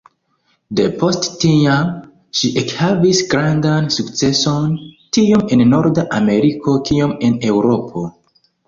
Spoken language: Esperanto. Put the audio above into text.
Depost tiam, ŝi ekhavis grandan sukceson, tiom en Norda Ameriko kiom en Eŭropo.